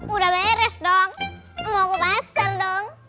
udah beres dong mau ke pasar dong